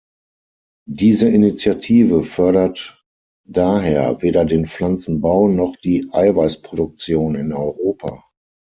Diese Initiative fördert daher weder den Pflanzenbau noch die Eiweißproduktion in Europa.